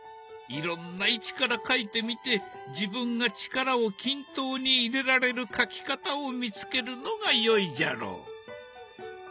いろんな位置から描いてみて自分が力を均等に入れられる描き方を見つけるのがよいじゃろう。